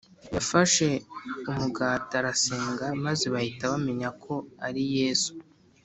yafashe umugati arasenga maze bahita bamenya ko ari Yesu.